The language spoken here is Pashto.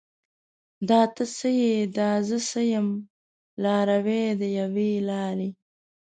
دا ته څه یې؟ دا زه څه یم؟ لاروي د یوې لارې